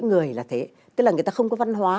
người là thế tức là người ta không có văn hóa